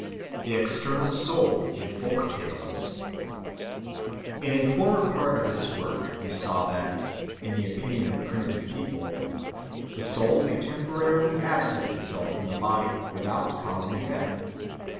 The External Soul in Folk Tales IN A FORMER part of this work we saw that, in the opinion of primitive people, the soul may temporarily absent itself from the body without causing death.